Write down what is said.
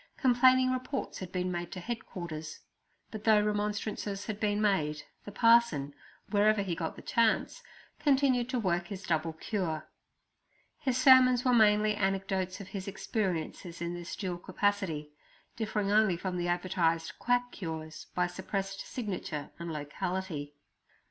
Complaining reports had been made to headquarters; but though remonstrances had been made, the parson, wherever he got the chance, continued to work his double cure. His sermons were mainly anecdotes of his experiences in this dual capacity, differing only from the advertised quack cures by suppressed signature and locality.